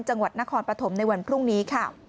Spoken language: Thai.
จังหวัดนครปฐมในวันพรุ่งนี้ค่ะ